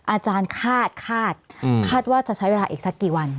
อาจารย์คาดคาดคาดว่าจะใช้เวลาอีกสักกี่วัน